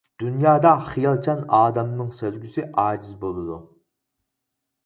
دۇنيادا خىيالچان ئادەمنىڭ سەزگۈسى ئاجىز بولىدۇ.